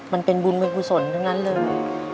มันเป็นบุญเป็นกุศลทั้งนั้นเลย